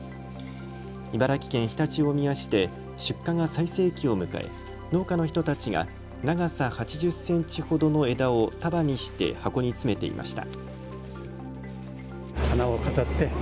茨城県常陸大宮市で出荷が最盛期を迎え農家の人たちが長さ８０センチほどの枝を束にして箱に詰めていました。